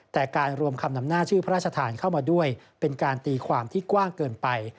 แต่การรวมคำนำหน้าชื่อพระราชทานเข้ามาด้วยเป็นการตีความที่กว้างเกินไป